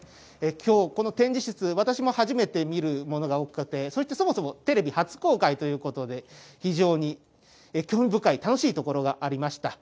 きょう、この展示室、私も初めて見るものが多くて、そもそもテレビ初公開ということで、非常に興味深い、楽しいところがありました。